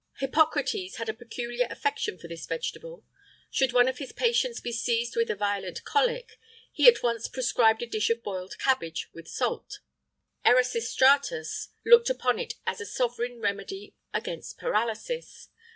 Hippocrates had a peculiar affection for this vegetable. Should one of his patients be seized with a violent cholic, he at once prescribed a dish of boiled cabbage with salt.[IX 14] Erasistratus looked upon it as a sovereign remedy against paralysis.